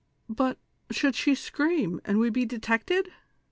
" But, should she scream, and we be detected